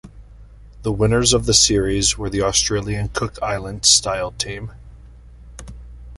The winners of the series were the Australian Cook Islands Style team.